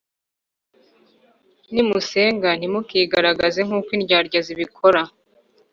Nimusenga ntimukigaragaze nkuko indyarya zibikora